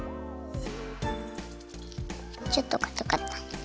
ちょっとかたかった。